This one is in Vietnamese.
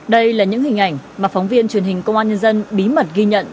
đây là những hình ảnh mà phóng viên truyền hình công an nhân dân bí mật ghi nhận